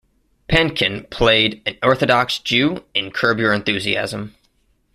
Pankin played an Orthodox Jew in "Curb Your Enthusiasm".